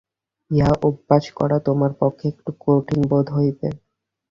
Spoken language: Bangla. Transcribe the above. ইহা অভ্যাস করা তোমার পক্ষে একটু কঠিন বোধ হইবে।